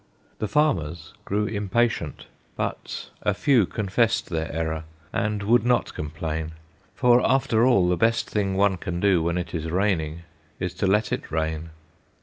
The farmers grew impatient, but a few Confessed their error, and would not complain, For after all, the best thing one can do When it is raining, is to let it rain.